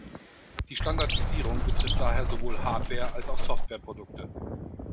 Die Standardisierung betrifft daher sowohl Hardware als auch Softwareprodukte.